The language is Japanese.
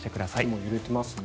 木も揺れてますね。